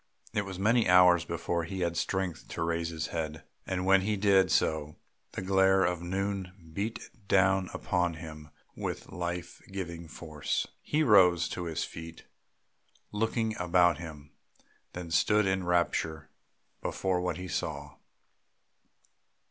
It was many hours before he had strength to raise his head; and when he did so, the glare of noon beat down upon him with life giving force. He rose to his feet looking about him, then stood in rapture before what he saw.